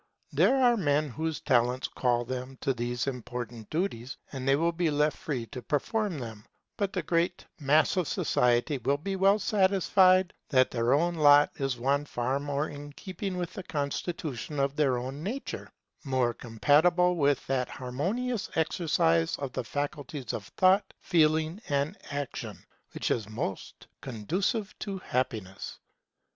There are men whose talents call them to these important duties, and they will be left free to perform them; but the great mass of society will be well satisfied that their own lot is one far more in keeping with the constitution of our nature; more compatible with that harmonious exercise of the faculties of Thought, Feeling, and Action, which is most conducive to happiness.